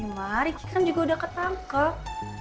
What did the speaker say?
mariki kan juga udah ketangkep